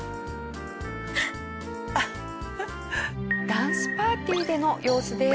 ダンスパーティーでの様子です。